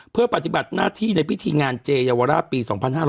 เพื่อปฏิบัติหน้าที่ในพิธีงานเจเยาวราชปี๒๕๕๙